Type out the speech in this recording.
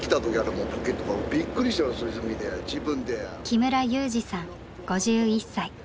木村優治さん５１歳。